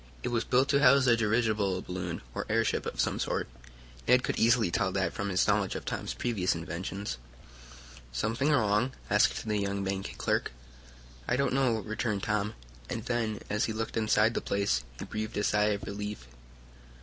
It was built to house a dirigible balloon, or airship of some sort. Ned could easily tell that from his knowledge of Tom's previous inventions. "Something wrong?" asked the young bank clerk. "I don't know," returned Tom, and then as he looked inside the place, he breathed a sigh of relief.